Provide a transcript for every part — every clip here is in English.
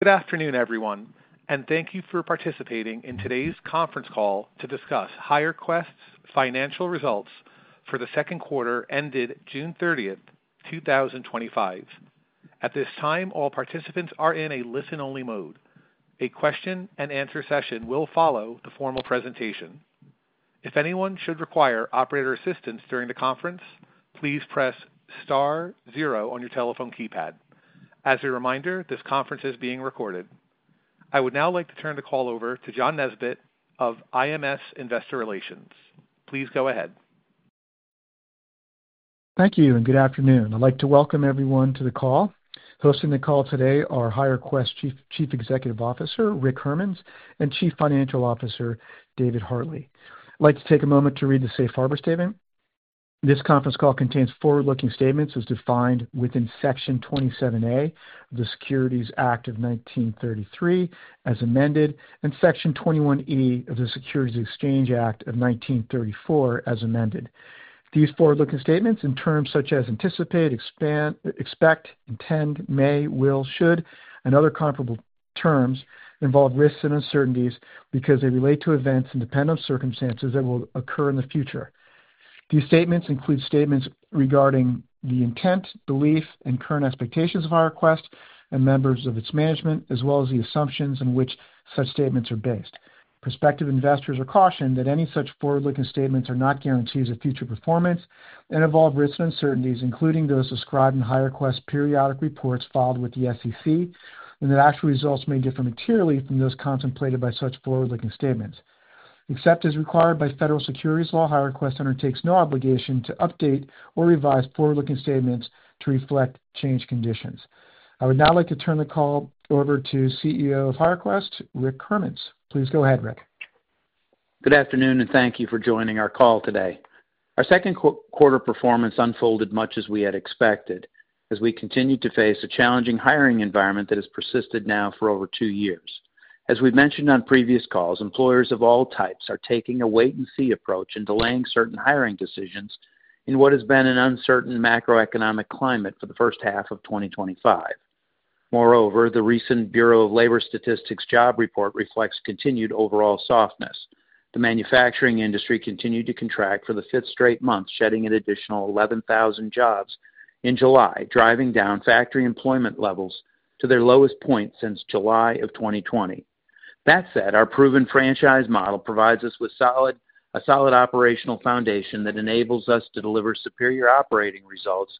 Good afternoon, everyone, and thank you for participating in today's conference call to discuss HireQuest's financial results for the second quarter ended June 30th, 2025. At this time, all participants are in a listen-only mode. A question and answer session will follow the formal presentation. If anyone should require operator assistance during the conference, please press star zero on your telephone keypad. As a reminder, this conference is being recorded. I would now like to turn the call over to John Nesbett of IMS Investor Relations. Please go ahead. Thank you, and good afternoon. I'd like to welcome everyone to the call. Hosting the call today are HireQuest's Chief Executive Officer, Rick Hermanns, and Chief Financial Officer, David Hartley. I'd like to take a moment to read the safe harbor statement. This conference call contains forward-looking statements as defined within Section 27A of the Securities Act of 1933, as amended, and Section 21E of the Securities Exchange Act of 1934, as amended. These forward-looking statements, in terms such as anticipate, expect, intend, may, will, should, and other comparable terms, involve risks and uncertainties because they relate to events and depend on circumstances that will occur in the future. These statements include statements regarding the intent, belief, and current expectations of HireQuest and members of its management, as well as the assumptions on which such statements are based. Prospective investors are cautioned that any such forward-looking statements are not guarantees of future performance and involve risks and uncertainties, including those ascribed in HireQuest's periodic reports filed with the SEC, and that actual results may differ materially from those contemplated by such forward-looking statements. Except as required by federal securities law, HireQuest undertakes no obligation to update or revise forward-looking statements to reflect change conditions. I would now like to turn the call over to CEO of HireQuest, Rick Hermanns. Please go ahead, Rick. Good afternoon, and thank you for joining our call today. Our second quarter performance unfolded much as we had expected, as we continued to face a challenging hiring environment that has persisted now for over two years. As we've mentioned on previous calls, employers of all types are taking a wait-and-see approach in delaying certain hiring decisions in what has been an uncertain macroeconomic climate for the first half of 2025. Moreover, the recent Bureau of Labor Statistics job report reflects continued overall softness. The manufacturing industry continued to contract for the fifth straight month, shedding an additional 11,000 jobs in July, driving down factory employment levels to their lowest point since July of 2020. That said, our proven franchise model provides us with a solid operational foundation that enables us to deliver superior operating results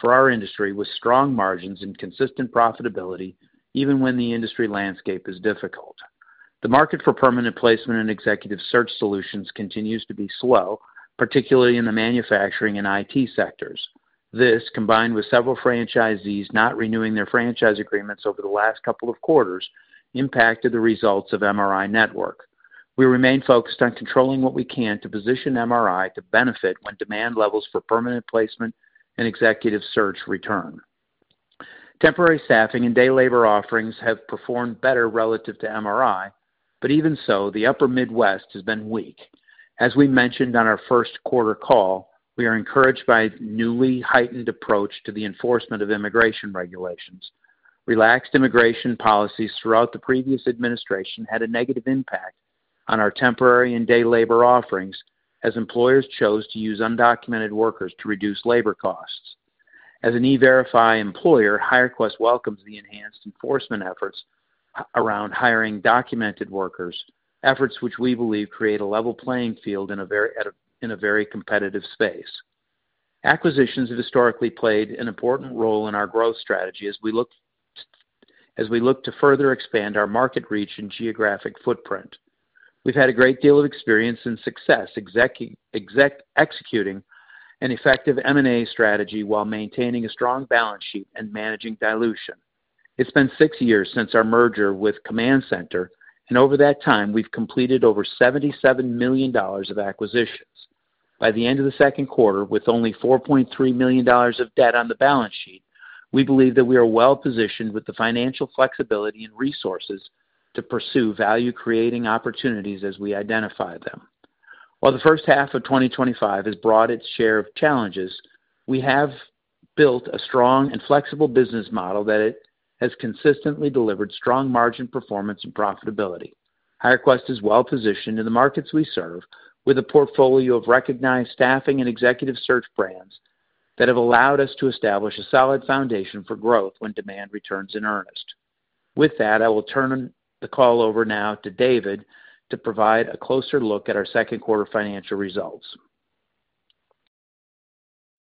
for our industry with strong margins and consistent profitability, even when the industry landscape is difficult. The market for permanent placement and executive search solutions continues to be slow, particularly in the manufacturing and IT sectors. This, combined with several franchisees not renewing their franchise agreements over the last couple of quarters, impacted the results of MRINetwork. We remain focused on controlling what we can to position MRI to benefit when demand levels for permanent placement and executive search return. Temporary staffing and day labor offerings have performed better relative to MRI, but even so, the Upper Midwest has been weak. As we mentioned on our first quarter call, we are encouraged by a newly heightened approach to the enforcement of immigration regulations. Relaxed immigration policies throughout the previous administration had a negative impact on our temporary and day labor offerings, as employers chose to use undocumented workers to reduce labor costs. As an E-Verify employer, HireQuest welcomes the enhanced enforcement efforts around hiring documented workers, efforts which we believe create a level playing field in a very competitive space. Acquisitions have historically played an important role in our growth strategy as we look to further expand our market reach and geographic footprint. We've had a great deal of experience and success executing an effective M&A strategy while maintaining a strong balance sheet and managing dilution. It's been six years since our merger with Command Center, and over that time, we've completed over $77 million of acquisitions. By the end of the second quarter, with only $4.3 million of debt on the balance sheet, we believe that we are well positioned with the financial flexibility and resources to pursue value-creating opportunities as we identify them. While the first half of 2025 has brought its share of challenges, we have built a strong and flexible business model that has consistently delivered strong margin performance and profitability. HireQuest is well positioned in the markets we serve, with a portfolio of recognized staffing and executive search brands that have allowed us to establish a solid foundation for growth when demand returns in earnest. With that, I will turn the call over now to David to provide a closer look at our second quarter financial results.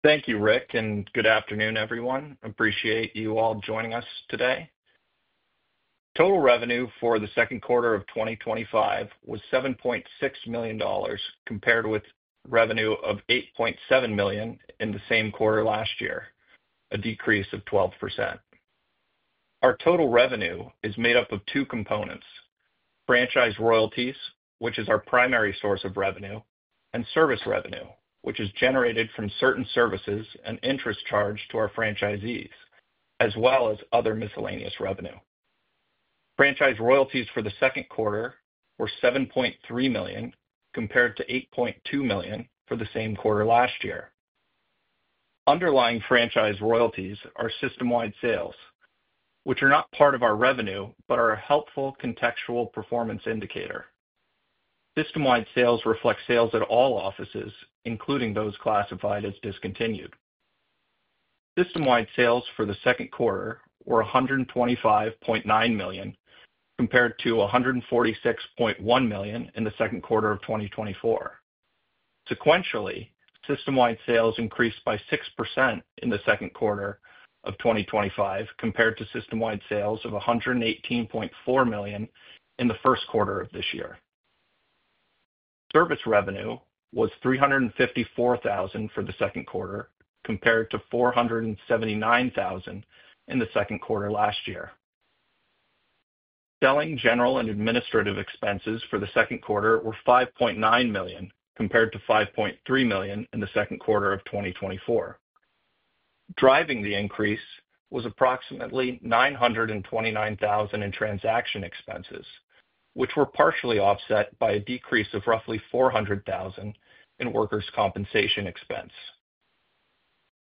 Thank you, Rick, and good afternoon, everyone. I appreciate you all joining us today. Total revenue for the second quarter of 2025 was $7.6 million compared with revenue of $8.7 million in the same quarter last year, a decrease of 12%. Our total revenue is made up of two components: franchise royalties, which is our primary source of revenue, and service revenue, which is generated from certain services and interest charged to our franchisees, as well as other miscellaneous revenue. Franchise royalties for the second quarter were $7.3 million compared to $8.2 million for the same quarter last year. Underlying franchise royalties are system-wide sales, which are not part of our revenue but are a helpful contextual performance indicator. System-wide sales reflect sales at all offices, including those classified as discontinued. System-wide sales for the second quarter were $125.9 million compared to $146.1 million in the second quarter of 2024. Sequentially, system-wide sales increased by 6% in the second quarter of 2025 compared to system-wide sales of $118.4 million in the first quarter of this year. Service revenue was $354,000 for the second quarter compared to $479,000 in the second quarter last year. Selling, general, and administrative expenses for the second quarter were $5.9 million compared to $5.3 million in the second quarter of 2024. Driving the increase was approximately $929,000 in transaction expenses, which were partially offset by a decrease of roughly $400,000 in workers' compensation expense.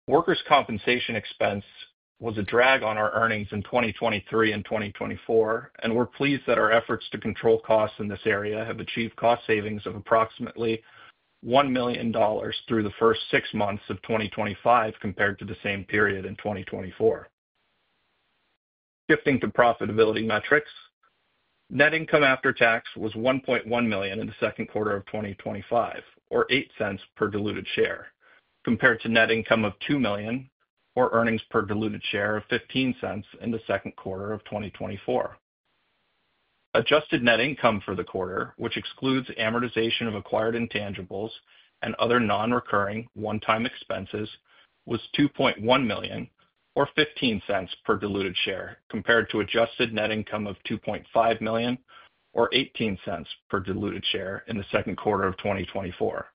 Workers' compensation expense was a drag on our earnings in 2023 and 2024, and we're pleased that our efforts to control costs in this area have achieved cost savings of approximately $1 million through the first six months of 2025 compared to the same period in 2024. Shifting to profitability metrics, net income after tax was $1.1 million in the second quarter of 2025, or $0.08 per diluted share, compared to net income of $2 million, or earnings per diluted share of $0.15 in the second quarter of 2024. Adjusted net income for the quarter, which excludes amortization of acquired intangibles and other non-recurring one-time expenses, was $2.1 million, or $0.15 per diluted share, compared to adjusted net income of $2.5 million, or $0.18 per diluted share in the second quarter of 2024.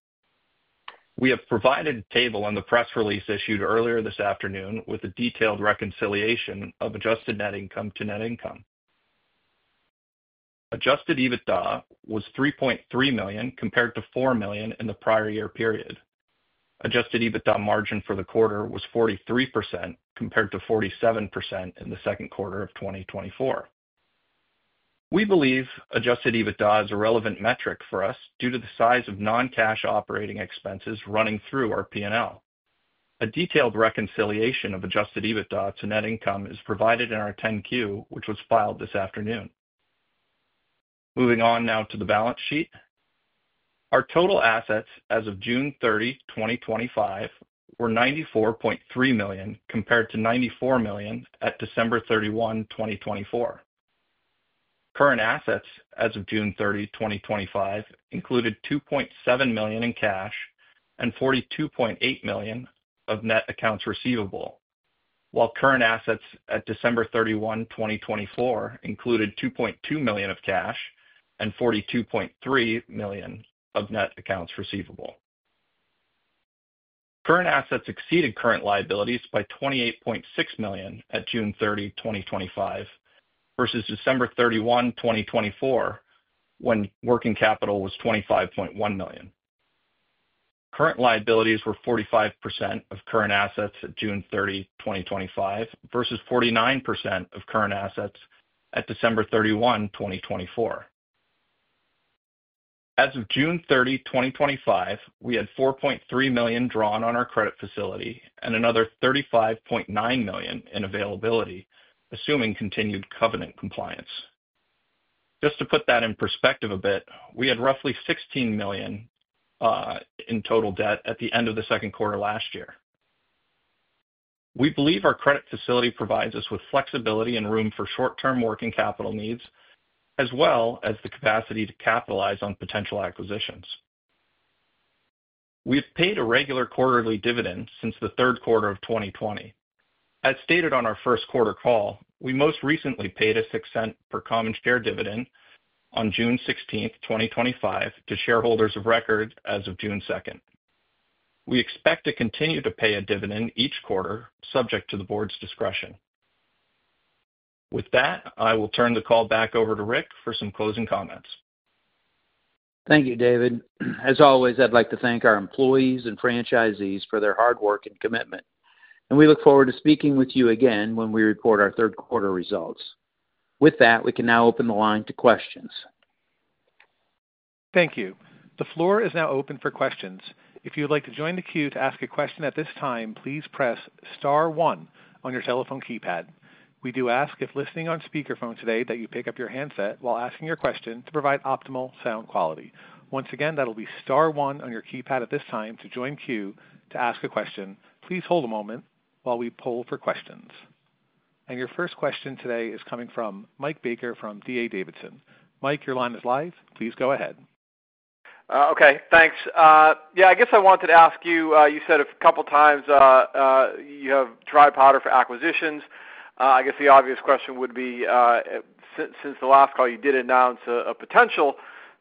We have provided a table on the press release issued earlier this afternoon with a detailed reconciliation of adjusted net income to net income. Adjusted EBITDA was $3.3 million compared to $4 million in the prior year period. Adjusted EBITDA margin for the quarter was 43% compared to 47% in the second quarter of 2024. We believe adjusted EBITDA is a relevant metric for us due to the size of non-cash operating expenses running through our P&L. A detailed reconciliation of adjusted EBITDA to net income is provided in our 10-Q, which was filed this afternoon. Moving on now to the balance sheet. Our total assets as of June 30, 2025, were $94.3 million compared to $94 million at December 31, 2024. Current assets as of June 30, 2025, included $2.7 million in cash and $42.8 million of net accounts receivable, while current assets at December 31, 2024, included $2.2 million of cash and $42.3 million of net accounts receivable. Current assets exceeded current liabilities by $28.6 million at June 30, 2025, versus December 31, 2024, when working capital was $25.1 million. Current liabilities were 45% of current assets at June 30, 2025, versus 49% of current assets at December 31, 2024. As of June 30, 2025, we had $4.3 million drawn on our credit facility and another $35.9 million in availability, assuming continued covenant compliance. Just to put that in perspective a bit, we had roughly $16 million in total debt at the end of the second quarter last year. We believe our credit facility provides us with flexibility and room for short-term working capital needs, as well as the capacity to capitalize on potential acquisitions. We have paid a regular quarterly dividend since the third quarter of 2020. As stated on our first quarter call, we most recently paid a $0.06 per common share dividend on June 16, 2025, to shareholders of record as of June 2nd. We expect to continue to pay a dividend each quarter, subject to the board's discretion. With that, I will turn the call back over to Rick for some closing comments. Thank you, David. As always, I'd like to thank our employees and franchisees for their hard work and commitment, and we look forward to speaking with you again when we report our third quarter results. With that, we can now open the line to questions. Thank you. The floor is now open for questions. If you would like to join the queue to ask a question at this time, please press star one on your telephone keypad. We do ask if listening on speakerphone today that you pick up your handset while asking your question to provide optimal sound quality. Once again, that'll be star one on your keypad at this time to join the queue to ask a question. Please hold a moment while we poll for questions. Your first question today is coming from Mike Baker from D.A. Davidson. Mike, your line is live. Please go ahead. Okay, thanks. I guess I wanted to ask you, you said a couple of times you have dry powder for acquisitions. I guess the obvious question would be, since the last call, you did announce a potential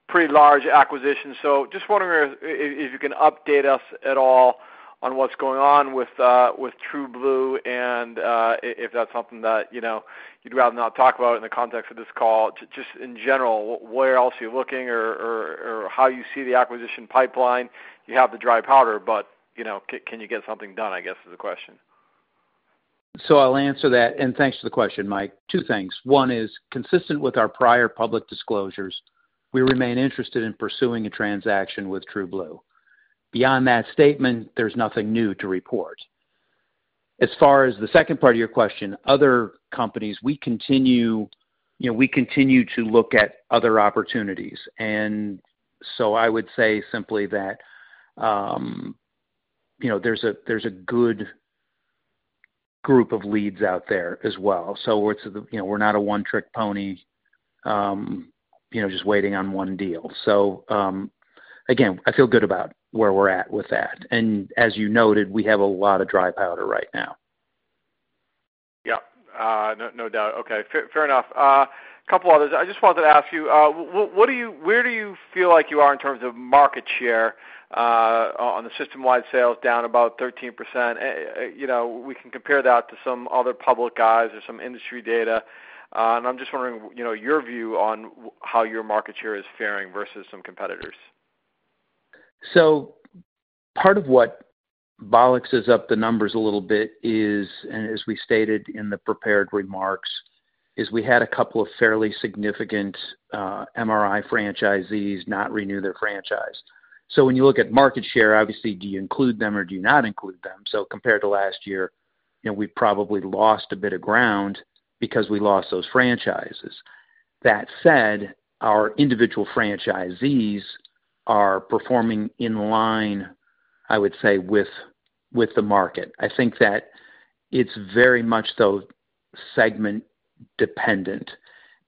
pretty large acquisition. Just wondering if you can update us at all on what's going on with TrueBlue and if that's something that you'd rather not talk about in the context of this call. In general, where else are you looking or how do you see the acquisition pipeline? You have the dry powder, but can you get something done, I guess, is the question. I'll answer that, and thanks for the question, Mike. Two things. One is consistent with our prior public disclosures, we remain interested in pursuing a transaction with TrueBlue. Beyond that statement, there's nothing new to report. As far as the second part of your question, other companies, we continue to look at other opportunities. I would say simply that there's a good group of leads out there as well. We're not a one-trick pony, just waiting on one deal. I feel good about where we're at with that. As you noted, we have a lot of dry powder right now. Yeah, no doubt. Okay, fair enough. A couple of others, I just wanted to ask you, where do you feel like you are in terms of market share on the system-wide sales down about 13%? You know, we can compare that to some other public guys or some industry data. I'm just wondering, you know, your view on how your market share is faring versus some competitors. Part of what balances up the numbers a little bit is, as we stated in the prepared remarks, we had a couple of fairly significant MRI franchisees not renew their franchise. When you look at market share, obviously, do you include them or do you not include them? Compared to last year, we probably lost a bit of ground because we lost those franchises. That said, our individual franchisees are performing in line, I would say, with the market. I think that it's very much though segment dependent.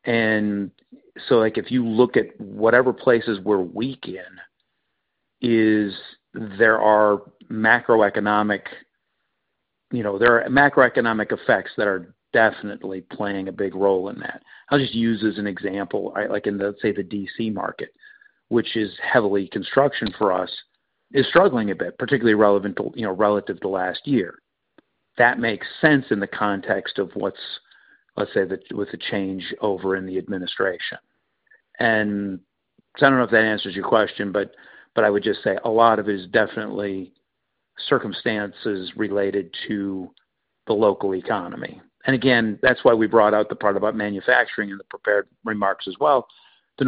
If you look at whatever places we're weak in, there are macroeconomic effects that are definitely playing a big role in that. I'll just use as an example, in the, let's say, the D.C. market, which is heavily construction for us, is struggling a bit, particularly relative to last year. That makes sense in the context of what's, let's say, with the change over in the administration. I don't know if that answers your question, but I would just say a lot of it is definitely circumstances related to the local economy. Again, that's why we brought out the part about manufacturing in the prepared remarks as well. The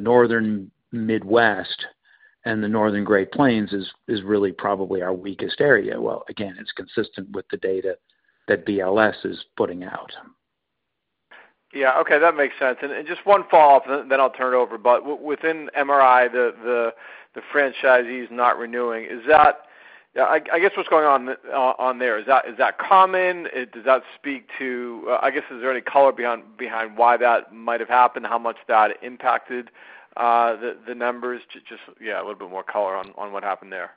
Northern Midwest and the Northern Great Plains is really probably our weakest area. It's consistent with the data that BLS is putting out. Okay, that makes sense. Just one follow-up, then I'll turn it over. Within MRI, the franchisees not renewing, is that what's going on there? Is that common? Does that speak to, is there any color behind why that might have happened, how much that impacted the numbers? Just a little bit more color on what happened there.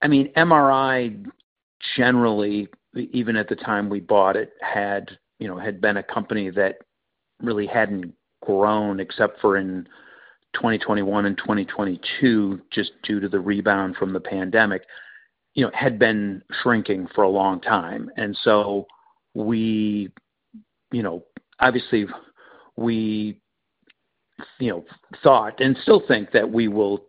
MRI generally, even at the time we bought it, had been a company that really hadn't grown except for in 2021 and 2022, just due to the rebound from the pandemic. It had been shrinking for a long time. We obviously thought and still think that we will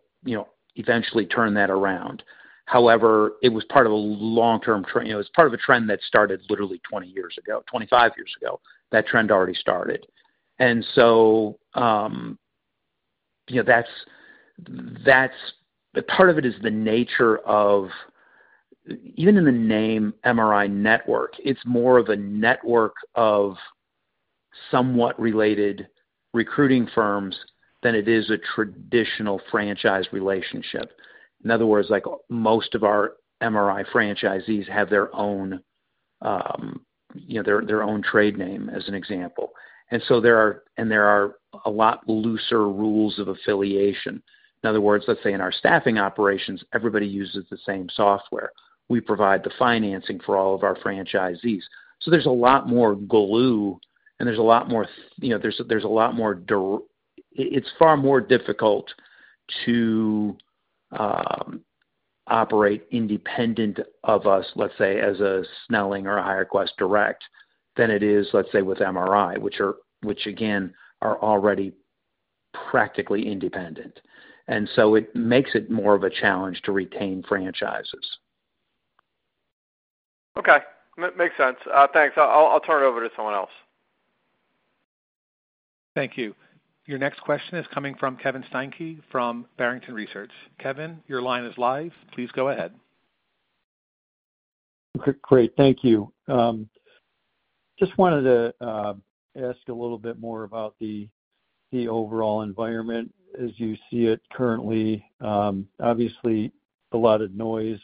eventually turn that around. However, it was part of a long-term trend that started literally 20 years ago, 25 years ago. That trend already started. That is part of it, the nature of, even in the name MRI Network, it's more of a network of somewhat related recruiting firms than it is a traditional franchise relationship. In other words, most of our MRI franchisees have their own trade name, as an example. There are a lot looser rules of affiliation. In our staffing operations, everybody uses the same software. We provide the financing for all of our franchisees. There is a lot more glue, and it's far more difficult to operate independent of us, as a Snelling or a HireQuest Direct, than it is with MRI, which again, are already practically independent. It makes it more of a challenge to retain franchises. Okay, makes sense. Thanks. I'll turn it over to someone else. Thank you. Your next question is coming from Kevin Steinke from Barrington Research. Kevin, your line is live. Please go ahead. Great, thank you. Just wanted to ask a little bit more about the overall environment as you see it currently. Obviously, a lot of noise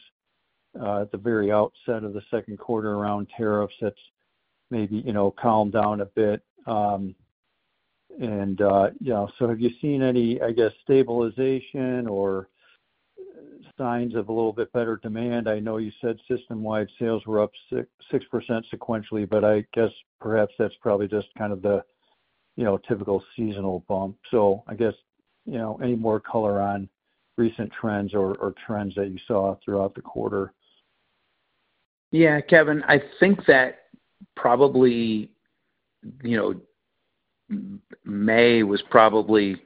at the very outset of the second quarter around tariffs that's maybe, you know, calmed down a bit. Have you seen any, I guess, stabilization or signs of a little bit better demand? I know you said system-wide sales were up 6% sequentially. I guess perhaps that's probably just kind of the, you know, typical seasonal bump. I guess, you know, any more color on recent trends or trends that you saw throughout the quarter? Yeah, Kevin, I think that probably May was probably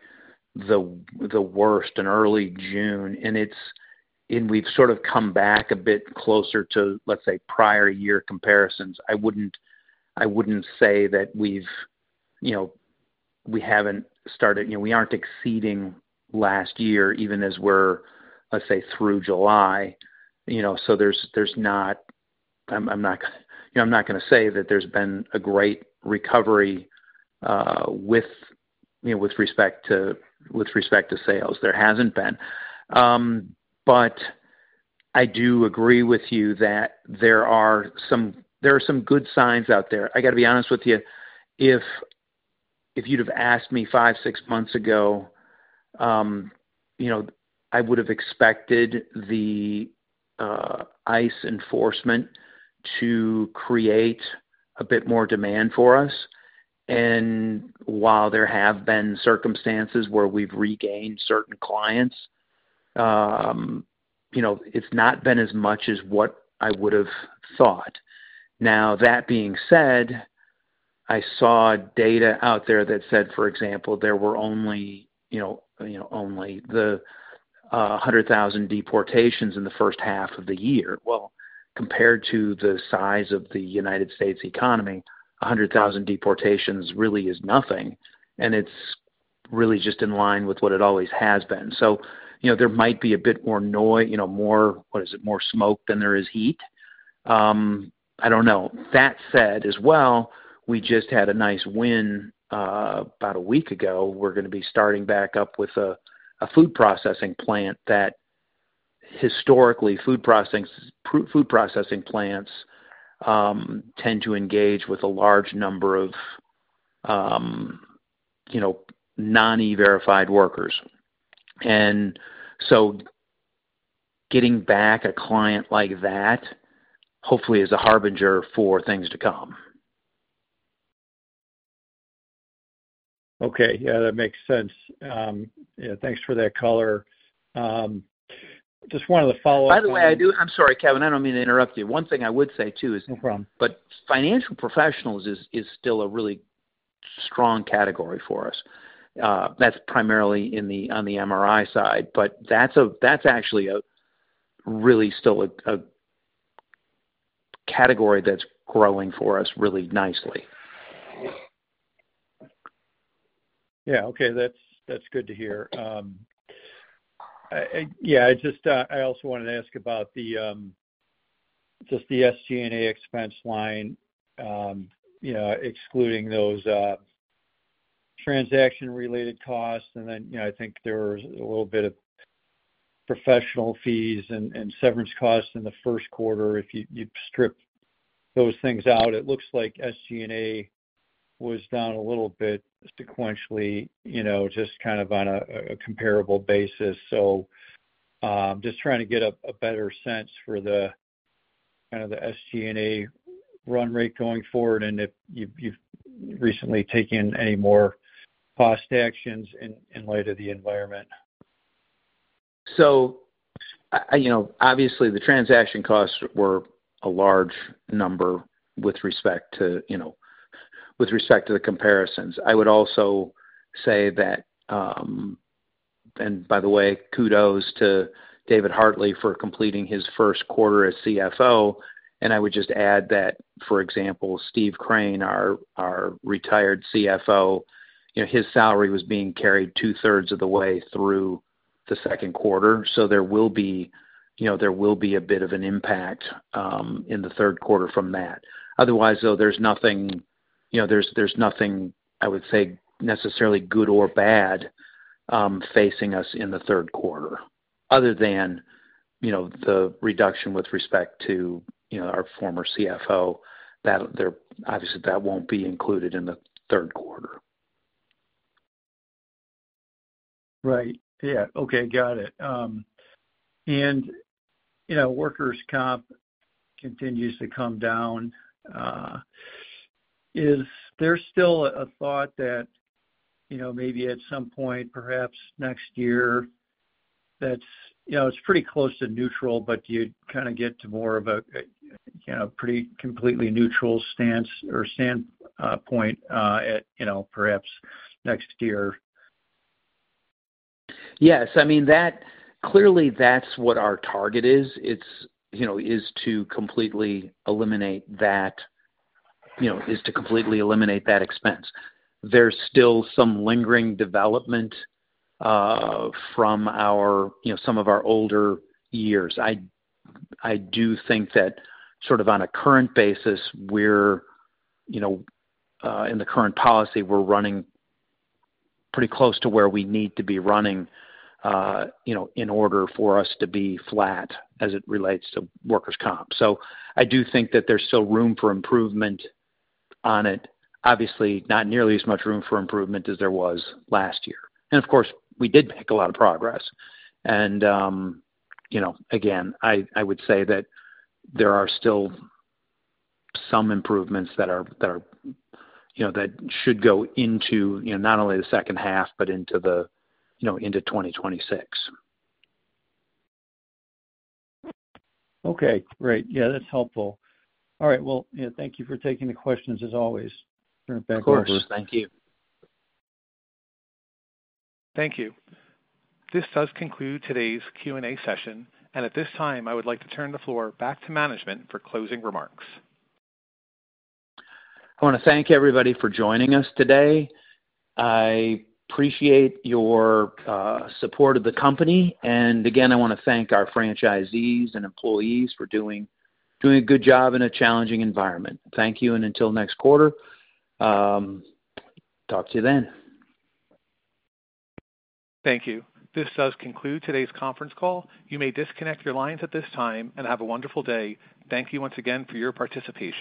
the worst in early June, and we've sort of come back a bit closer to, let's say, prior year comparisons. I wouldn't say that we've, you know, we haven't started, you know, we aren't exceeding last year, even as we're, let's say, through July. There's not, I'm not going to say that there's been a great recovery with respect to sales. There hasn't been. I do agree with you that there are some good signs out there. I gotta be honest with you, if you'd have asked me five, six months ago, I would have expected the ICE enforcement to create a bit more demand for us. While there have been circumstances where we've regained certain clients, it's not been as much as what I would have thought. That being said, I saw data out there that said, for example, there were only 100,000 deportations in the first half of the year. Compared to the size of the United States economy, 100,000 deportations really is nothing, and it's really just in line with what it always has been. There might be a bit more noise, more, what is it, more smoke than there is heat. I don't know. That said, as well, we just had a nice win about a week ago. We're going to be starting back up with a food processing plant that historically, food processing plants tend to engage with a large number of non-E-Verified workers. Getting back a client like that hopefully is a harbinger for things to come. Okay, yeah, that makes sense. Yeah, thanks for that color. Just wanted to follow up. I'm sorry, Kevin, I don't mean to interrupt you. One thing I would say too is, no problem, but financial professionals is still a really strong category for us. That's primarily on the MRI side, but that's actually really still a category that's growing for us really nicely. Okay, that's good to hear. I also wanted to ask about the SG&A expense line, excluding those transaction-related costs. I think there was a little bit of professional fees and severance costs in the first quarter. If you strip those things out, it looks like SG&A was down a little bit sequentially on a comparable basis. Just trying to get a better sense for the SG&A run rate going forward and if you've recently taken any more cost actions in light of the environment. Obviously, the transaction costs were a large number with respect to the comparisons. I would also say that, and by the way, kudos to David Hartley for completing his first quarter as CFO. I would just add that, for example, Steve Crane, our retired CFO, his salary was being carried 2/3 of the way through the second quarter. There will be a bit of an impact in the third quarter from that. Otherwise, though, there's nothing I would say necessarily good or bad facing us in the third quarter, other than the reduction with respect to our former CFO that obviously won't be included in the third quarter. Right. Yeah. Okay. Got it. You know, workers’ comp continues to come down. Is there still a thought that maybe at some point, perhaps next year, that's pretty close to neutral, but you'd kind of get to more of a pretty completely neutral stance or standpoint at perhaps next year? Yes. I mean, that clearly, that's what our target is. It's, you know, is to completely eliminate that expense. There's still some lingering development from some of our older years. I do think that sort of on a current basis, we're, you know, in the current policy, we're running pretty close to where we need to be running, you know, in order for us to be flat as it relates to workers' comp. I do think that there's still room for improvement on it. Obviously, not nearly as much room for improvement as there was last year. Of course, we did make a lot of progress. Again, I would say that there are still some improvements that should go into not only the second half, but into 2026. Okay. Great. Yeah, that's helpful. All right. Thank you for taking the questions as always. Of course, thank you. Thank you. This does conclude today's Q&A session. At this time, I would like to turn the floor back to management for closing remarks. I want to thank everybody for joining us today. I appreciate your support of the company. I want to thank our franchisees and employees for doing a good job in a challenging environment. Thank you. Until next quarter, talk to you then. Thank you. This does conclude today's conference call. You may disconnect your lines at this time and have a wonderful day. Thank you once again for your participation.